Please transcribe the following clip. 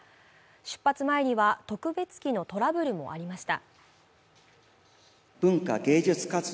出発前には特別機のトラブルもありました。